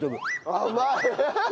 甘い！